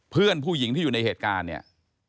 เพื่อนผู้หญิงที่อยู่ในเหตุการณ์เนี่ย